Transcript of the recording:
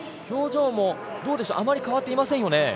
表情もあまり変わっていませんね。